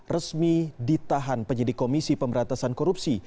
resmi ditahan penyidik komisi pemberantasan korupsi